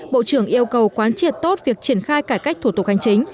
bộ trưởng yêu cầu quán triệt tốt việc triển khai cải cách thủ tục hành chính